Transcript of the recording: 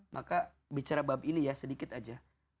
maka bicara bab ini ya sedikit aja